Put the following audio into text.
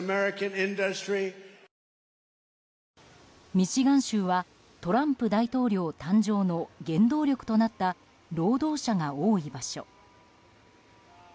ミシガン州はトランプ大統領誕生の原動力となった労働者が多い場所。